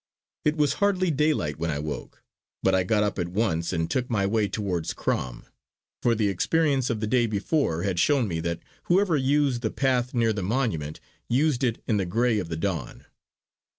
It was hardly daylight when I woke, but I got up at once and took my way towards Crom, for the experience of the day before had shown me that whoever used the path near the monument used it in the grey of the dawn.